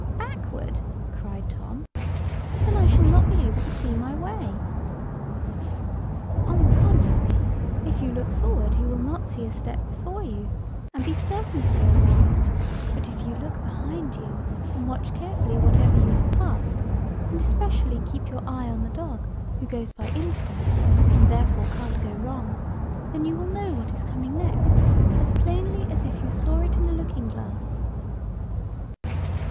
"Backward!" cried Tom. "Then I shall not be able to see my way." "On the contrary, if you look forward, you will not see a step before you, and be certain to go wrong; but, if you look behind you, and watch carefully whatever you have passed, and especially keep your eye on the dog, who goes by instinct, and therefore can't go wrong, then you will know what is coming next, as plainly as if you saw it in a looking glass."